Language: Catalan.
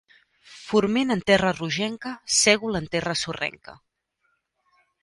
Forment en terra rogenca, sègol en terra sorrenca.